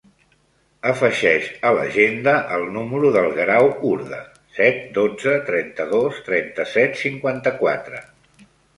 Afegeix a l'agenda el número del Guerau Urda: set, dotze, trenta-dos, trenta-set, cinquanta-quatre.